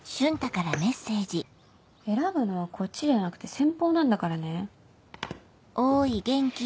選ぶのはこっちじゃなくて先方なんだからね。